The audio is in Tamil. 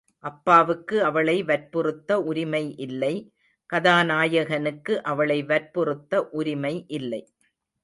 அப்பாவுக்கு அவளை வற்புறுத்த உரிமை இல்லை, கதாநாயகனுக்கு அவளை வற்புறுத்த உரிமை இல்லை.